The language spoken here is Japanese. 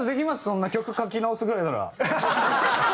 そんな曲書き直すぐらいなら。